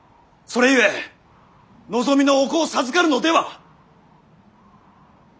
それゆえ望みのお子を授かるのでは！